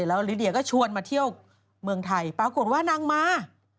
แล้วลิเดียก็ชวนมาเที่ยวเมืองไทยปรากฏว่านางมา